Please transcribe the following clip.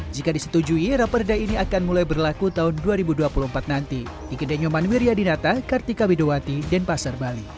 jika disetujui raperda ini akan mulai berlaku tahun dua ribu dua puluh empat nanti